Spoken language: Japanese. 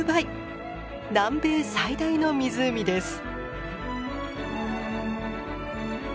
南米最大の湖です。